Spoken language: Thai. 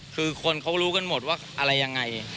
คือคนเขารู้กันหมดว่าอะไรยังไง